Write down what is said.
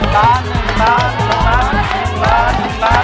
๑ปลา๑ปลา๑ปลา